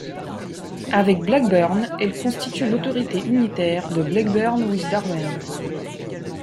Avec Blackburn, elle constitue l'autorité unitaire de Blackburn with Darwen.